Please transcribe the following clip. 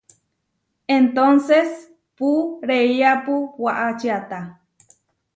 Entónses pú reiápu waʼá čiáta.